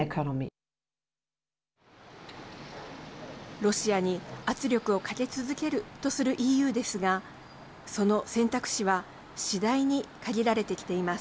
ロシアに圧力をかけ続けるとするＥＵですがその選択肢は次第に限られてきています。